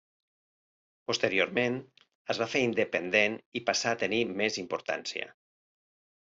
Posteriorment es va fer independent i passà a tenir més importància.